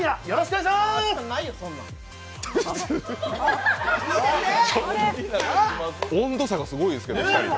２人の温度差がすごいですけど。